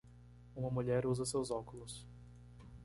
uma mulher usa seus óculos.